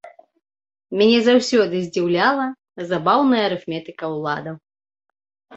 Мяне заўсёды здзіўляла забаўная арыфметыка ўладаў.